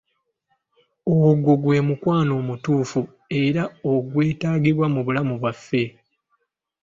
Ogwo gwe mukwano omutuufu era ogwetaagibwa mu bulamu bwaffe.